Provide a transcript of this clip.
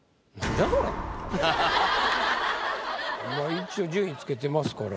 一応順位つけてますから。